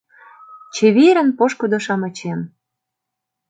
Чеверын, пошкудо-шамычем!